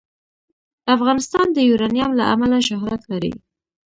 افغانستان د یورانیم له امله شهرت لري.